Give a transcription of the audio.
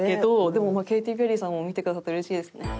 でもケイティ・ペリーさんも見てくださったらうれしいですね。